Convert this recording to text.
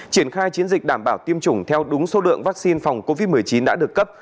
triển khai chiến dịch đảm bảo tiêm chủng theo đúng số lượng vaccine phòng covid một mươi chín đã được cấp